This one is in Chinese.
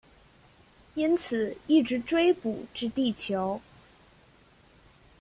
因此一直追捕至地球。